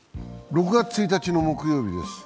６月１日の木曜日です。